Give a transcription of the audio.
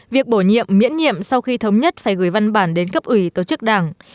việc bổ nhiệm miễn nhiệm sau khi thống nhất phải gửi văn bản đến cấp ủy tổ chức đảng